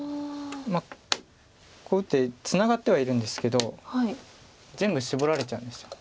こう打ってツナがってはいるんですけど全部シボられちゃうんです。